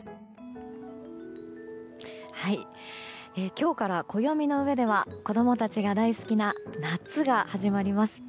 今日から暦のうえでは子供たちが大好きな夏が始まります。